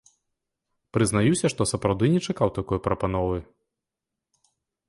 Прызнаюся, што сапраўды не чакаў такой прапановы.